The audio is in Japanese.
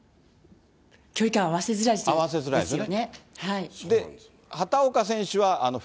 距離感は合わせづらいですよね。